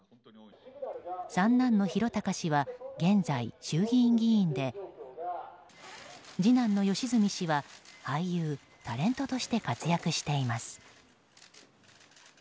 三男の宏高氏は現在、衆議院議員で次男の良純氏は俳優・タレントとして活躍しています。